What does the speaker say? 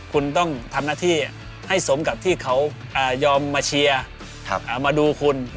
คุณต้องทำหน้าที่ให้สมกับที่เขายอมมาเชียร์มาดูคุณ